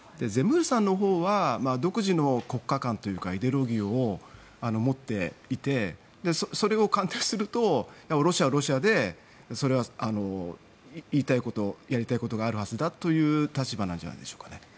ゼムールさんのほうは独自の国家観というかイデロギーを持っていてそれを勘案するとロシアはロシアでそれは、言いたいことやりたいことがあるはずだという立場なんじゃないですかね。